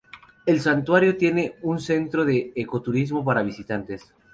El santuario tiene un centro de ecoturismo para visitantes.